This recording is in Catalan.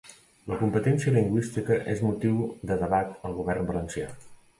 La competència lingüística és motiu de debat al govern valencià